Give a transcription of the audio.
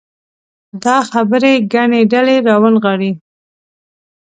دا خبرې ګڼې ډلې راونغاړي.